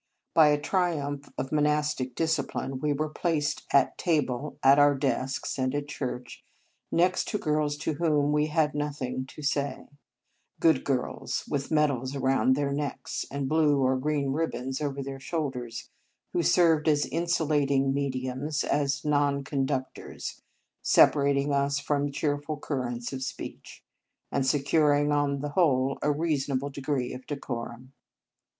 By a triumph of monastic discipline, we were placed at table, Marianus at our desks, and at church, next to girls to whom we had nothing to say; good girls, with medals around their necks, and blue or green ribbons over their shoulders, who served as insulating mediums, as non conduc tors, separating us from cheerful cur rents of speech, and securing, on the whole, a reasonable degree of deco rum.